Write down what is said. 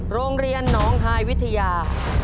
โรงเรียนหนองฮายวิทยา